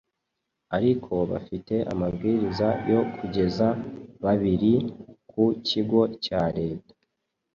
ariko bafite amabwiriza yo kugeza babiri ku kigo cya leta